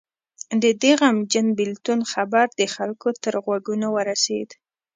د دې غمجن بېلتون خبر د خلکو تر غوږونو ورسېد.